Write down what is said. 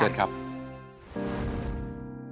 ลูกน้ำชม